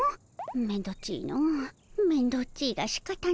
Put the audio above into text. めんどっちいのめんどっちいがしかたないの。